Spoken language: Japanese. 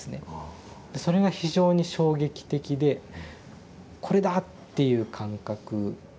でそれが非常に衝撃的で「これだ！」っていう感覚。